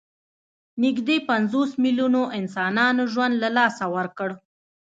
نږدې پنځوس میلیونو انسانانو ژوند له لاسه ورکړ.